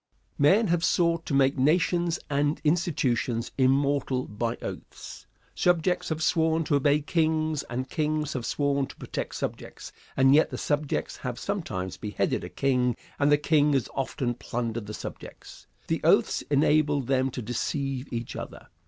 Answer. Men have sought to make nations and institutions immortal by oaths. Subjects have sworn to obey kings, and kings have sworn to protect subjects, and yet the subjects have sometimes beheaded a king; and the king has often plundered the subjects. The oaths enabled them to deceive each other.